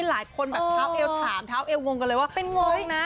หลายคนแบบเท้าเอวถามเท้าเอววงกันเลยว่า